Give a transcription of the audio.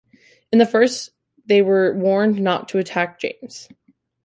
In the first they were warned not to attack James.